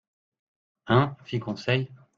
—Hein ? fit Conseil.